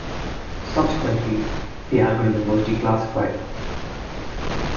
Subsequently, the algorithm was declassified.